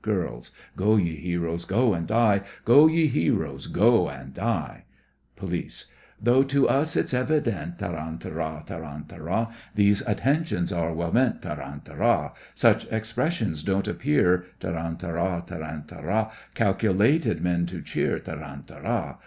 GIRLS: Go, ye heroes, go and die! Go, ye heroes, go and die! POLICE: Though to us it's evident, Tarantara! tarantara! These attentions are well meant, Tarantara! Such expressions don't appear, Tarantara! tarantara! Calculated men to cheer Tarantara!